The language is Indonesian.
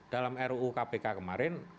dalam ru kpk kemarin